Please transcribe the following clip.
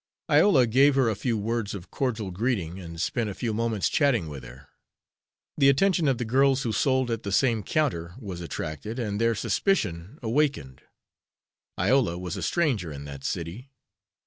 Iola gave her a few words of cordial greeting, and spent a few moments chatting with her. The attention of the girls who sold at the same counter was attracted, and their suspicion awakened. Iola was a stranger in that city.